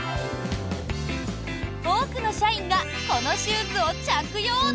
多くの社員がこのシューズを着用！